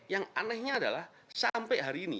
yang anehnya adalah sampai hari ini